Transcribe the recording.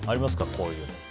こういうの。